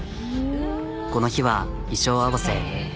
この日は衣装合わせ。